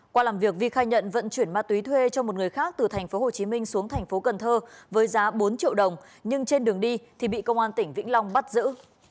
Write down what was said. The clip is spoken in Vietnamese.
qua làm việc vi khai nhận vận chuyển ma túy thuê cho một người khác từ tp hcm xuống tp cn với giá bốn triệu đồng nhưng trên đường đi thì bị công an tỉnh vĩnh long bắt giữ